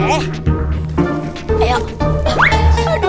eh jangan jangan